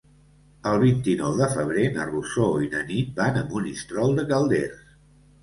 El vint-i-nou de febrer na Rosó i na Nit van a Monistrol de Calders.